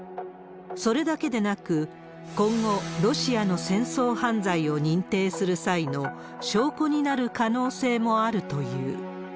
それだけでなく、今後、ロシアの戦争犯罪を認定する際の証拠になる可能性もあるという。